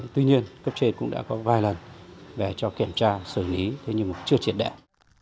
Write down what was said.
tuy nhiên cấp trên cũng đã có vài lần về cho kiểm tra xử lý thế nhưng mà chưa triển đại